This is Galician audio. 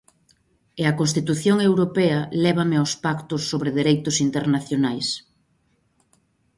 E a Constitución europea lévame aos pactos sobre dereitos internacionais.